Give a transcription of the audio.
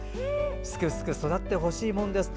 すくすく育ってほしいものですと。